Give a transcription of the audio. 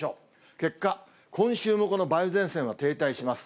結果、今週もこの梅雨前線は停滞します。